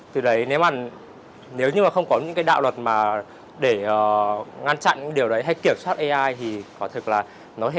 từ đấy nếu mà nếu như mà không có những cái đạo luật mà để ngăn chặn những điều đấy hay kiểm soát ai thì có thực là nó có thể đem lại những cái mối nguy hiểm rất là lớn cho xã hội